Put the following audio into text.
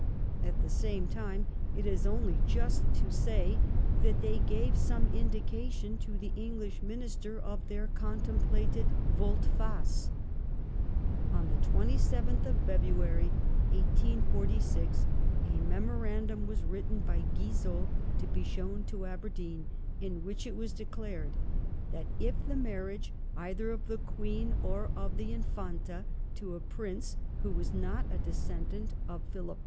At the same time, it is, only just to say that they gave some indication to the English minister of their contemplated volte face. On the 27th of February, 1846, a memorandum was written by Guizot to be shown to Aberdeen, in which it was declared that if the marriage either of the Queen or of the Infanta to a prince who was not a de scendant of Philip V.